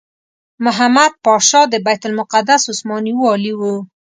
محمد پاشا د بیت المقدس عثماني والي وو.